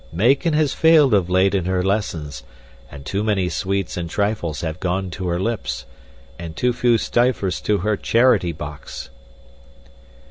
Mayken has failed of late in her lessons, and too many sweets and trifles have gone to her lips, and too few stivers to her charity box.